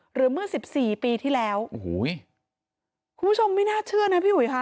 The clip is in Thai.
หรือเมื่อสิบสี่ปีที่แล้วโอ้โหคุณผู้ชมไม่น่าเชื่อนะพี่อุ๋ยค่ะ